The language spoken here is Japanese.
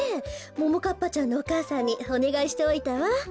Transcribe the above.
ももかっぱちゃんのお母さんにおねがいしておいたわ。